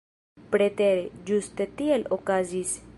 Pretere, ĝuste tiel okazis.